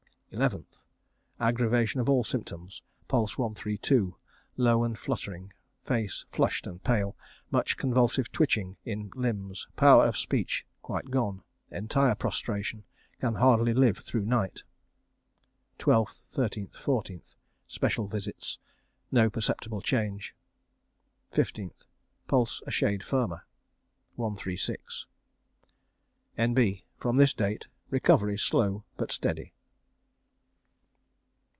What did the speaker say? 11th. Aggravation of all symptoms. Pulse 132, low and fluttering. Face flushed and pale. Much convulsive twitching in limbs. Power of speech quite gone. Entire prostration. Can hardly live through night. 12th, 13th, 14th. Special visits. No perceptible change. 15th. Pulse a shade firmer, 136. N.B. From this date recovery slow but steady.